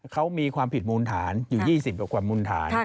เขามีความผิดมุนฐานอยู่ยี่สิบเดียวกับความมุนฐาน